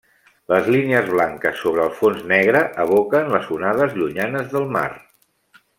Les línies blanques sobre el fons negre evoquen les onades llunyanes del mar.